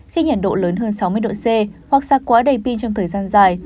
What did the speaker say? khi nhiệt độ lớn hơn sáu mươi độ c hoặc xa quá đầy pin trong thời gian dài